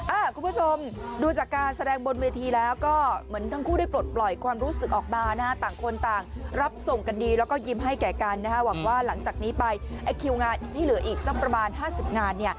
คุณผู้ชมดูจากการแสดงบนเวทีแล้วก็เหมือนทั้งคู่ได้ปลดปล่อยความรู้สึกออกมานะฮะต่างคนต่างรับส่งกันดีแล้วก็ยิ้มให้แก่กันนะฮะหวังว่าหลังจากนี้ไปไอ้คิวงานที่เหลืออีกสักประมาณห้าสิบงานเนี่ย